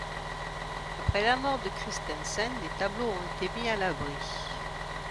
Après la mort de Christensen, les tableaux ont été mis à l'abri.